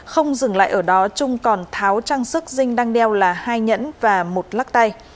không dừng lại ở đó trung còn tháo trang sức dinh đang đeo là hai nhẫn và một lắc tay